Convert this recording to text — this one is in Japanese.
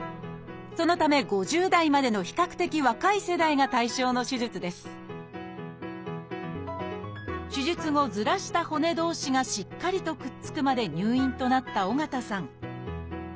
そのため５０代までの比較的若い世代が対象の手術です手術後ずらした骨同士がしっかりとくっつくまで入院となった緒方さん。